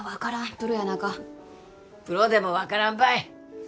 プロやなかプロでも分からんばい